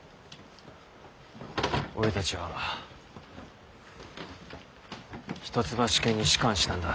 俺たちは一橋家に仕官したんだ。